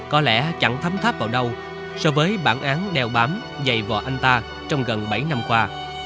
có lẽ chẳng thấm tháp vào đâu so với bản án đeo bám dày vỏ anh ta trong gần bảy năm qua